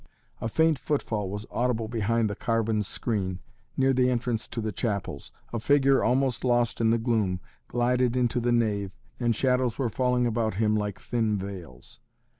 A faint footfall was audible behind the carven screen, near the entrance to the chapels. A figure, almost lost in the gloom, glided into the nave, and shadows were falling about him like thin veils.